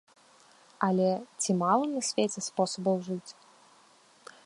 Але ці мала на свеце спосабаў жыць?